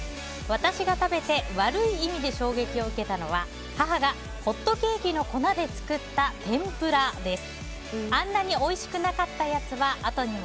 私が食べて悪い意味で衝撃を受けたのは母がホットケーキの粉で作った天ぷらです。